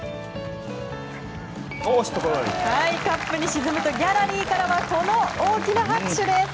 カップに沈むとギャラリーからはこの大きな拍手です。